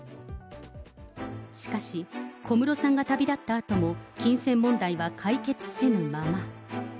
しかし、小室さんが旅立ったあとも金銭問題は解決せぬまま。